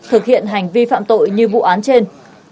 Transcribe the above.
thực hiện hành vi phạm tội như vụ án trên